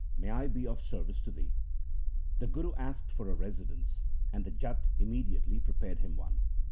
May I be of service to thee ?' The Guru asked for a residence, and the J at immediately prepared him one.